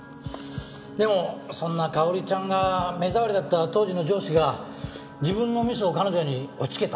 でもそんな香織ちゃんが目障りだった当時の上司が自分のミスを彼女に押しつけた。